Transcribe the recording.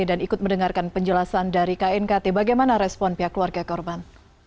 dan ikut mendengarkan penjelasan dari knkt bagaimana respon pihak keluarga korban